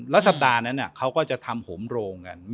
แล้วสัปดาห์นั้นเนี่ยเค้าก็จะทำโหมโรงกัน